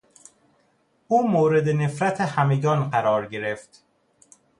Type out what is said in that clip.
او مورد نفرت همگان قرار گرفت.